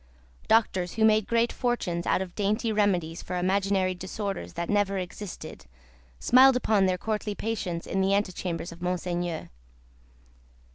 Doctors who made great fortunes out of dainty remedies for imaginary disorders that never existed, smiled upon their courtly patients in the ante chambers of Monseigneur.